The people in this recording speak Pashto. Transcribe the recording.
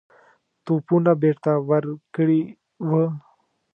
توپونه بیرته ورکړي وه.